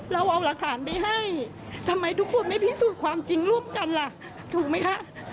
เราเอาหลักฐานไปให้ทำไมทุกคนไม่พิสูจน์ความจริงร่วมกันล่ะถูกไหมคะ